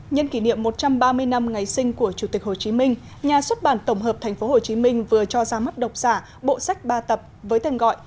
nhân kỷ niệm một trăm ba mươi năm ngày sinh của chủ tịch hồ chí minh nhà xuất bản tổng hợp tp hcm vừa cho ra mắt độc giả bộ sách ba tập với tên gọi